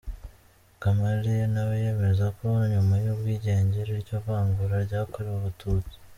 Gamaliel nawe yemeza ko nyuma y’ubwigenge iryo vangura ryakorewe Abatutsi.